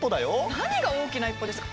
何が大きな一歩ですか。